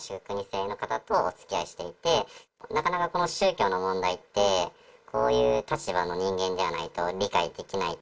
２世の方とおつきあいしていて、なかなかこの宗教の問題って、こういう立場の人間じゃないと理解できない。